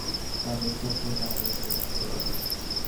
তাদের চোখে তাদের দেখতে হবে।